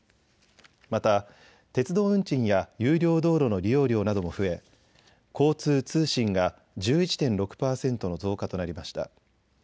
また鉄道運賃や有料道路の利用料なども増え交通・通信が１１．６％の増加となりました。